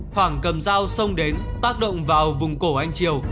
khoảng cầm dao xông đến tác động vào vùng cổ anh triều